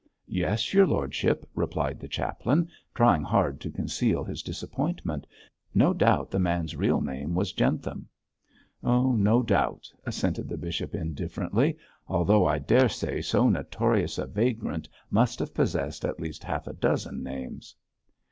'Yes, your lordship,' replied the chaplain, trying hard to conceal his disappointment. 'No doubt the man's real name was Jentham.' 'No doubt,' assented the bishop, indifferently, 'although I daresay so notorious a vagrant must have possessed at least half a dozen names.'